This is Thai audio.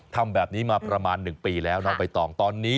ทำแบบนี้มาประมาณ๑ปีแล้วน้องไปต่อง